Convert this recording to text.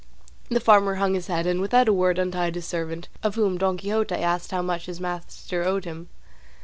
The farmer hung his head, and without a word untied his servant, of whom Don Quixote asked how much his master owed him.